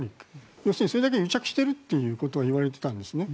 要するにそれだけ癒着しているということを言われていたんですね。